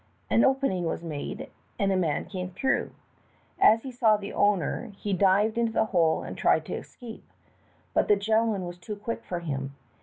An opening was made, and a man came through. As he saw the owner he dived into the hole and tried to escape, but the gentleman was too quick for him.